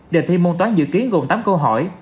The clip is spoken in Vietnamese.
đề thi môn toán dự kiến gồm tám câu hỏi